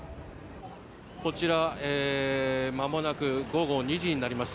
こちらまもなく午後２時になります。